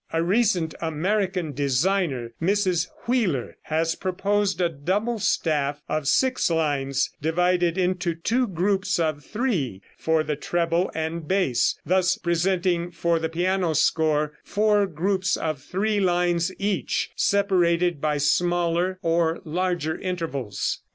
A recent American designer, Mrs. Wheeler, has proposed a double staff of six lines, divided into two groups of three, for the treble and bass, thus presenting for the piano score four groups of three lines each, separated by smaller or larger intervals.